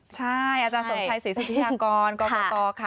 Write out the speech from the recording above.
ใช่อาจารย์สมชัยศรีสุธิยากรกรกตค่ะ